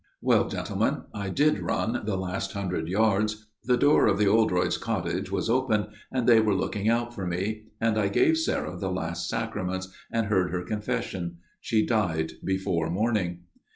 " Well, gentlemen, I did run the last hundred yards ; the door of the Oldroyds' cottage was open, and they were looking out for me and I gave Sarah the last Sacraments, and heard her confession. She died before morning.